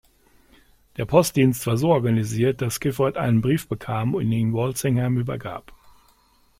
Der Postdienst war so organisiert, dass Gifford einen Brief bekam und ihn Walsingham übergab.